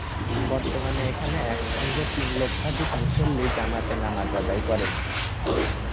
বর্তমানে এখানে একসঙ্গে তিন লক্ষাধিক মুসল্লি জামাতে নামাজ আদায় করেন।